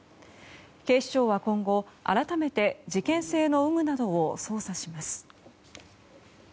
警視庁は今後、改めて事件性の有無などを捜査します。